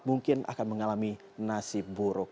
mungkin akan mengalami nasib buruk